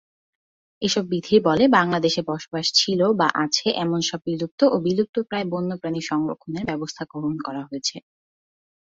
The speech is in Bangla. এসব বিধির বলে বাংলাদেশে বসবাস ছিল বা আছে এমন সব বিলুপ্ত ও বিলুপ্তপ্রায় বন্যপ্রাণী সংরক্ষণের ব্যবস্থা গ্রহণ করা হয়েছে।